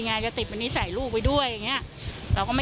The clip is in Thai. อยากได้ของแม่ของ